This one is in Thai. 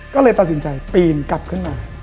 ก็เลยตัดสินใจปีนกลับขึ้นมา